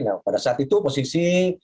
nah pada saat itu posisi